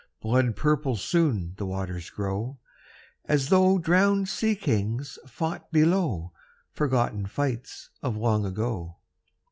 Blood purple soon the waters grow, As though drowned sea kings fought below Forgotten fights of long ago.